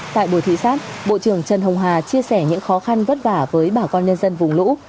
tại buổi thị sát bộ trưởng trần hồng hà chia sẻ những khó khăn vất vả với bà con nhân dân vùng lũ